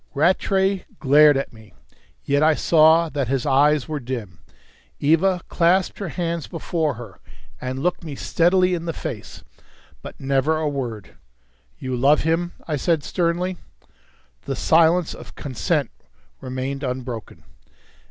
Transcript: Rattray glared at me, yet I saw that his eyes were dim. Eva clasped her hands before her, and looked me steadily in the face. But never a word. "You love him?" I said sternly. The silence of consent remained unbroken.